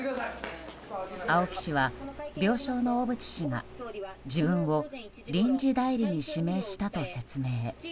青木氏は病床の小渕氏が自分を臨時代理に指名したと説明。